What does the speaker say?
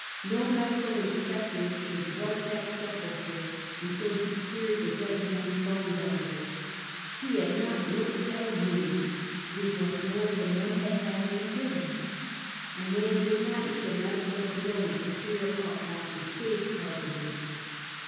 'No medical in spector should white that sepulchre until he cleared the dead men's bones out of it. He had not looked at a wound; did not know if the men had had any din ner. A man did not need a medical diploma to clear np after stage carpenters.